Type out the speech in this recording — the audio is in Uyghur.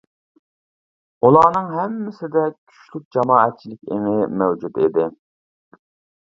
ئۇلارنىڭ ھەممىسىدە كۈچلۈك جامائەتچىلىك ئېڭى مەۋجۇت ئىدى.